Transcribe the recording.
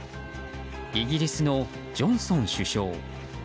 イギリスのジョンソン首相。